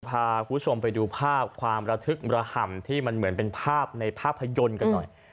พาคุณผู้ชมไปดูภาพความระทึกระห่ำที่มันเหมือนเป็นภาพในภาพยนตร์กันหน่อย